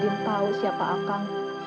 jika madin tahu siapa akang